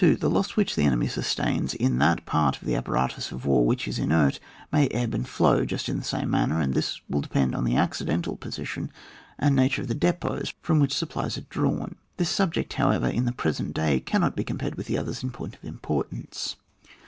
The loss which the enemy sustains in that part of the apparatus of war which is inert, may ebb and flow just in the same manner, and this will depend on the accidental position and nature of th& depots from which supplies are drawn. This subject, however, in the present day, cannot be compared with the others in point of importance.